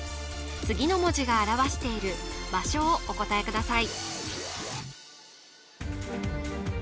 次の文字が表している場所をお答えください